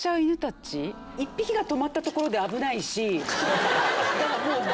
１匹が止まったところで危ないし。